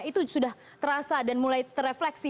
itu sudah terasa dan mulai terefleksi